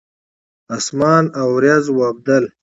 اسمان اوریځ واوبدل